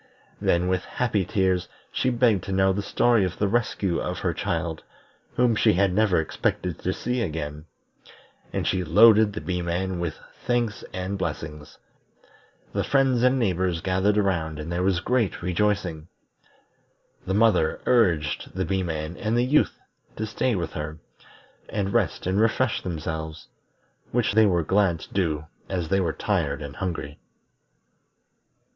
Then with happy tears she begged to know the story of the rescue of her child, whom she never expected to see again; and she loaded the Bee man with thanks and blessings. The friends and neighbors gathered around and there was great rejoicing. The mother urged the Bee man and the Youth to stay with her, and rest and refresh themselves, which they were glad to do as they were tired and hungry.